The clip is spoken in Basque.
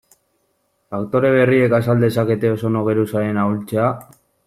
Faktore berriek azal dezakete ozono geruzaren ahultzea?